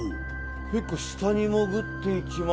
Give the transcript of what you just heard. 結構下に潜っていきます。